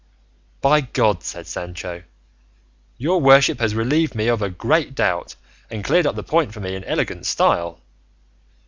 "By God," said Sancho, "your worship has relieved me of a great doubt, and cleared up the point for me in elegant style!